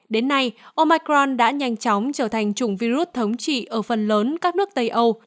đến nay omacran đã nhanh chóng trở thành chủng virus thống trị ở phần lớn các nước tây âu